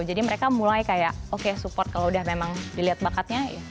jadi mereka mulai kayak oke support kalau udah memang dilihat bakatnya